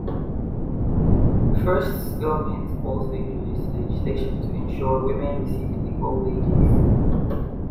Frost's government also introduced legislation to ensure women received equal wages.